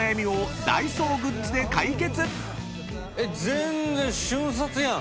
全然瞬殺やん。